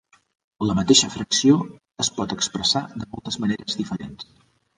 La mateixa fracció es pot expressar de moltes maneres diferents.